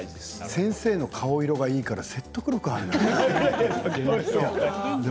先生の顔色がいいから説得力がある。